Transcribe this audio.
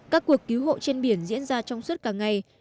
các cuộc cứu hộ trên biển diễn ra trong suốt cả ngày